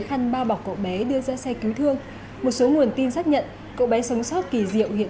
khăn bao bọc cậu bé đưa ra xe cứu thương một số nguồn tin xác nhận cậu bé sống sót kỳ diệu hiện